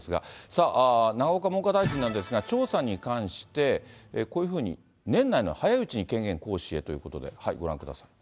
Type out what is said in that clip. さあ、永岡文科大臣なんですが、調査に関して、こういうふうに、年内の早いうちに権限行使へということで、ご覧ください。